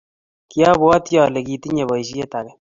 kiabwatii ale kitenyei boisie ake.